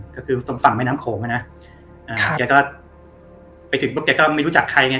ก็คือตรงฝั่งแม่น้ำโขงอ่ะนะอ่าแกก็ไปถึงปุ๊บแกก็ไม่รู้จักใครไง